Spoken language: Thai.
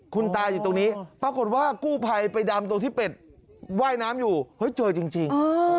คุณตาอยู่ตรงนี้ปรากฏว่ากู้ภัยไปดำตรงที่เป็ดว่ายน้ำอยู่เฮ้ยเจอจริง